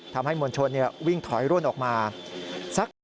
ทำให้มวลชนวิ่งถอยร่นออกมา